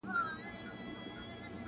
• پخپله یې وژلی په تیاره لار کي مشل دی -